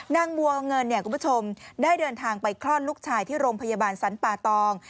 นางบัวเงินเนี่ยคุณผู้ชมได้เดินทางไปคลอดลูกชายที่โรงพยาบาลสรรป่าตอง